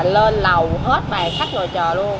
lên lầu hết bàn khách ngồi chờ luôn